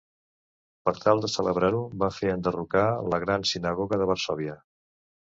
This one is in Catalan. Per tal de celebrar-ho va fer enderrocar la gran sinagoga de Varsòvia.